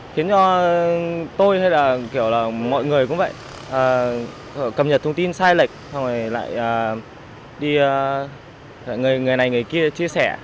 khiến cho tôi hay mọi người cũng vậy cập nhật thông tin sai lệch rồi lại người này người kia chia sẻ